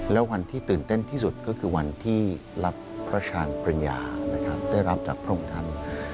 แล้ววันที่ตื่นเต้นที่สุดก็คือวันที่รับพระชาญปริญญานะครับได้รับจากพระองค์ท่าน